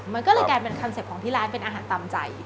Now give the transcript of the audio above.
มันก็เลยกลายเป็นคอนเซ็ปต์ของที่ร้านเป็นอาหารตามใจ